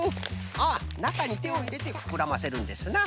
ああなかにてをいれてふくらませるんですな。